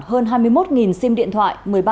hơn hai mươi một sim điện thoại